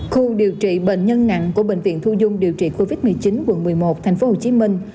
khu điều trị bệnh nhân nặng của bệnh viện thu dung điều trị covid một mươi chín quận một mươi một thành phố hồ chí minh